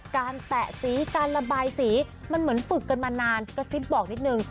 แตะสีการระบายสีมันเหมือนฝึกกันมานานกระซิบบอกนิดนึง